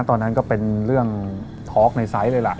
ตอนนั้นก็เป็นเรื่องทอล์กในไซส์เลยล่ะ